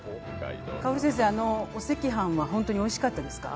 薫先生、お赤飯は本当においしかったですか？